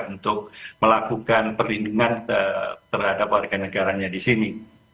untuk melakukan perlindungan terhadap warga negaranya di sini